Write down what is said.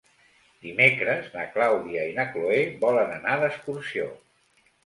Dimecres na Clàudia i na Cloè volen anar d'excursió.